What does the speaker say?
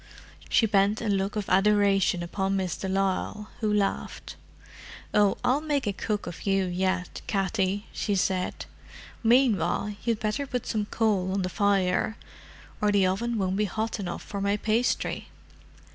She bent a look of adoration upon Miss de Lisle, who laughed. "Oh, I'll make a cook of you yet, Katty," she said. "Meanwhile you'd better put some coal on the fire, or the oven won't be hot enough for my pastry.